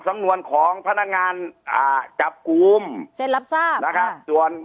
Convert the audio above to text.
สำนวนของพนักงานอ่าจับกลุ่มเซ็นรับทราบนะครับส่วน